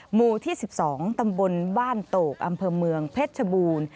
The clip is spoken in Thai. หมู่ที่๑๒ตำบลบ้านโตกอำเภอเมืองเพชรชบูรณ์